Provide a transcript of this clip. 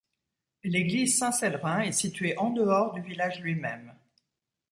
L'église Saint-Cellerin est située en dehors du village lui-même.